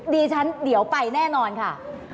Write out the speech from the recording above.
ดิฉันเดี๋ยวไปแน่นอนค่ะ